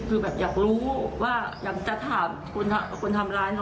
คืออยากรู้อยากจะถามคนทำร้าย